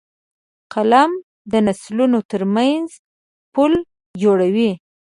قلم د نسلونو ترمنځ پُل جوړوي